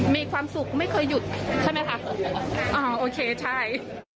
มีความสุขไม่เคยหยุดใช่ไหมคะอ่าโอเคใช่